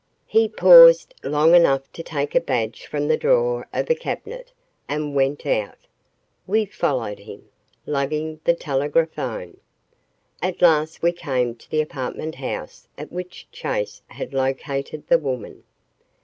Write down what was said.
He paused long enough to take a badge from the drawer of a cabinet, and went out. We followed him, lugging the telegraphone. At last we came to the apartment house at which Chase had located the woman.